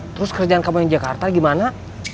terus kerjaan kamu yang jakarta gimana